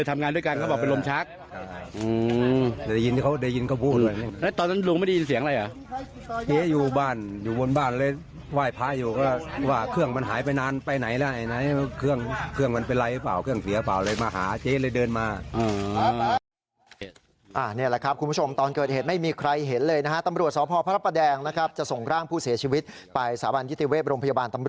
มันไปไหนล่ะไอ้ไหนเครื่องมันเป็นไรหรือเปล่าเครื่องเสียหรือเปล่า